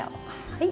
はい。